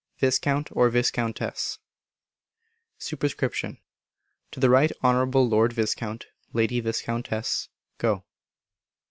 Viscount or Viscountess. Sup. To the Right Honourable Lord Viscount (Lady Viscountess) Gough.